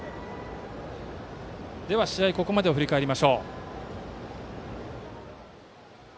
ではここまでを振り返りましょう。